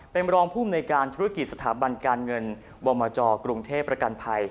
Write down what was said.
เป็นรองภูมิในการธุรกิจสถาบันการเงินบมจกรุงเทพประกันภัย